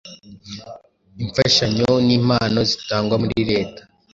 imfashanyo nimpano zitangwa muri leta